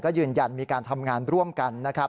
ก็ยืนยันมีการทำงานร่วมกันนะครับ